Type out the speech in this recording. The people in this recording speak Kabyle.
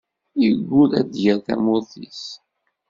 Yeggul ar d-yerr tamurt-is.